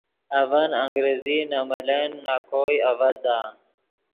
اڤن انگریزی نے ملن نَکوئے اڤزدا۔